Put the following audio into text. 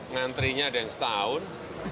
ngantrinya ada yang setahun